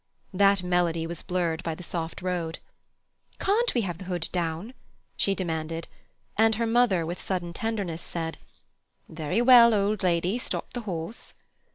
That melody was blurred by the soft road. "Can't we have the hood down?" she demanded, and her mother, with sudden tenderness, said: "Very well, old lady, stop the horse."